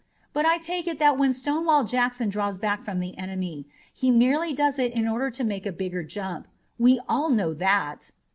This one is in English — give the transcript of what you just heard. But I take it that when Stonewall Jackson draws back from the enemy he merely does it in order to make a bigger jump. We all know that."